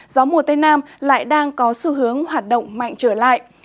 gió mùa tây nam lại đang có xu hướng hoạt động mạnh trở lại